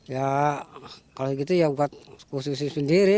ya kalau gitu ya buat posisi sendiri